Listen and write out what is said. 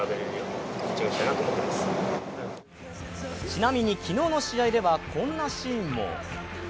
ちなみに、昨日の試合ではこんなシーンも。